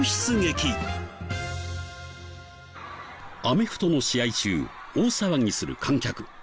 アメフトの試合中大騒ぎする観客。